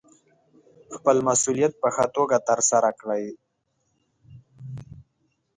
خپل مسوولیت په ښه توګه ترسره کړئ.